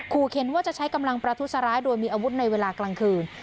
เข็นว่าจะใช้กำลังประทุษร้ายโดยมีอาวุธในเวลากลางคืน